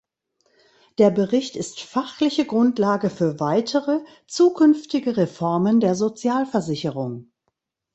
Der Bericht ist fachliche Grundlage für weitere zukünftige Reformen der Sozialversicherung.